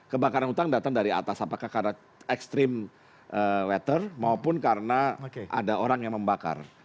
kebakaran hutan datang dari atas apakah karena extreme weather maupun karena ada orang yang membakar